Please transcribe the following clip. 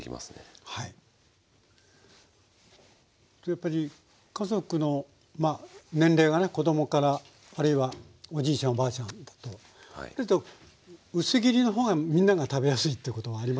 やっぱり家族のまあ年齢がね子供からあるいはおじいちゃんおばあちゃんだとそうすると薄切りの方がみんなが食べやすいってこともありますかね。